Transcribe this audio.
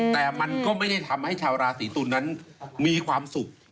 แต่มันก็ไม่ได้ทำให้ชาวราศีตุลนั้นมีความสุข